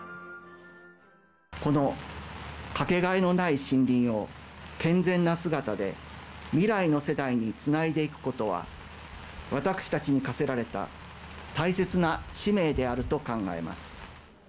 この掛けがえのない森林を、健全な姿で未来の世代につないでいくことは、私たちに課せられた大切な使命であると考えます。